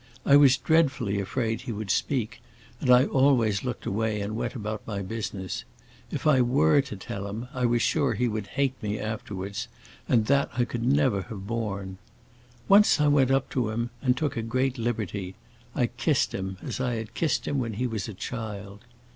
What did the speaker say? I was dreadfully afraid he would speak, and I always looked away and went about my business. If I were to tell him, I was sure he would hate me afterwards, and that I could never have borne. Once I went up to him and took a great liberty; I kissed him, as I had kissed him when he was a child.